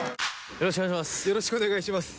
よろしくお願いします